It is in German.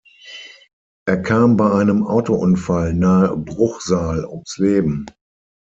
Er kam bei einem Autounfall nahe Bruchsal ums Leben.